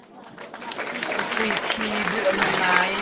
Suisui khi duh a nung ngai.